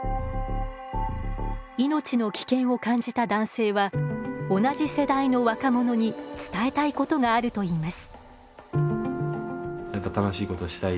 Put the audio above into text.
命の危険を感じた男性は同じ世代の若者に伝えたいことがあると言います。